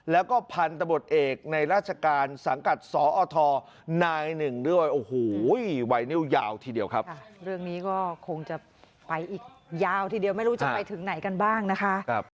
นายหนึ่งด้วยโอ้โหไวนิวยาวทีเดียวครับเรื่องนี้ก็คงจะไปอีกยาวทีเดียวไม่รู้จะไปถึงไหนกันบ้างนะคะ